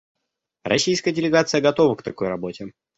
Российская делегация готова к такой работе.